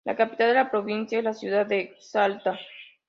La capital de la Provincia es la ciudad de Salta.